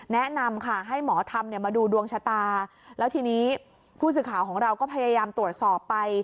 แนะนำค่ะให้หมอธรรมเนี่ยมาดูดวงชะตาแล้วทีนี้ผู้สื่อข่าวของเราก็พยายามตรวจสอบไป